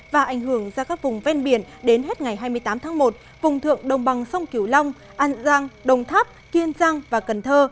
và ảnh hưởng ra các vùng ven biển đến hết ngày hai mươi tám tháng một vùng thượng đồng bằng sông kiều long an giang đồng tháp kiên giang và cần thơ